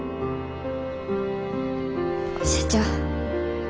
社長。